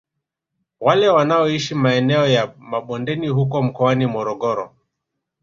Wale wanaoishi maeneo ya mabondeni huko mkoani Morogoro